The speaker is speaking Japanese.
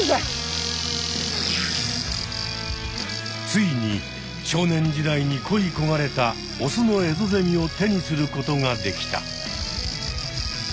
ついに少年時代にこいこがれたオスのエゾゼミを手にすることができた。